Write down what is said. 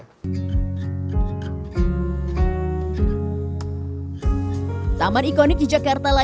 taman ikonik di jakarta lainnya adalah ruang terbuka hijau dan ruang publik terpadu ramah anak kali jodoh